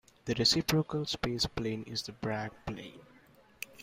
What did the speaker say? This reciprocal space plane is the "Bragg plane".